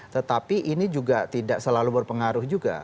tetapi ini juga tidak selalu berpengaruh juga